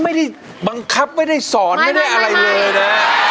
ไม่ได้บังคับไม่ได้สอนไม่ได้อะไรเลยนะ